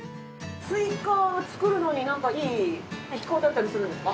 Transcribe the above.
スイカを作るのになんかいい気候だったりするんですか？